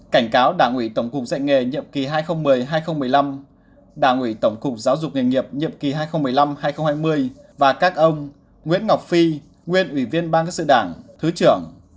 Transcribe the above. cảnh cáo đảng ủy tổng cục dạy nghề nhiệm kỳ hai nghìn một mươi hai nghìn một mươi năm đảng ủy tổng cục giáo dục nghề nghiệp nhiệm kỳ hai nghìn một mươi năm hai nghìn hai mươi và các ông nguyễn ngọc phi nguyên ủy viên ban các sự đảng thứ trưởng